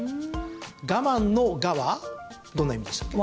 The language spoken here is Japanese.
我慢の「我」はどんな意味でしたっけ？